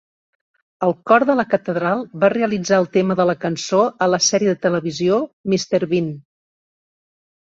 El cor de la catedral va realitzar el tema de la cançó a la sèrie de televisió "Mr. Bean".